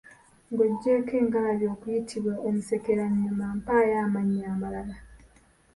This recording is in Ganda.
Ng'oggyeeko engalabi okuyitibwa omusekerannyuma, mpaayo amannya amalala?